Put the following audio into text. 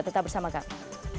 tetap bersama kami